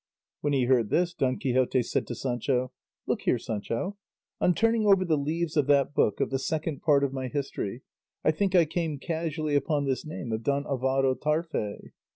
When he heard this Don Quixote said to Sancho, "Look here, Sancho; on turning over the leaves of that book of the Second Part of my history I think I came casually upon this name of Don Alvaro Tarfe."